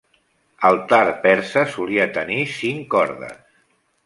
El tar persa tar solia tenir cinc cordes.